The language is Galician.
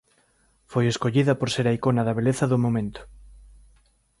Foi escollida por ser a icona da beleza do momento.